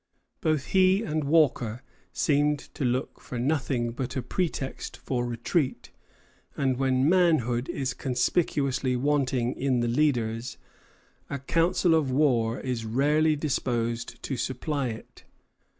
Both he and Walker seemed to look for nothing but a pretext for retreat; and when manhood is conspicuously wanting in the leaders, a council of war is rarely disposed to supply it.